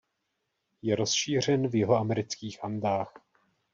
Je rozšířen v jihoamerických Andách.